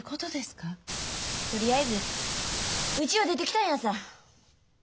とりあえずうちを出てきたんやさ。